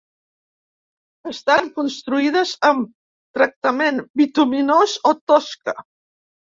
Estan construïdes amb tractament bituminós o tosca.